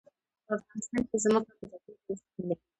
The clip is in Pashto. په افغانستان کې ځمکه په طبیعي ډول شتون لري.